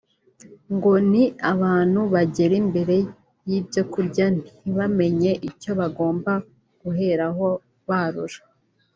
ngo ni abantu bagera imbere y’ibyo kurya ntibamenye icyo bagomba guheraho barura